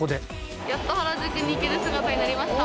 やっと原宿に行ける姿になりました。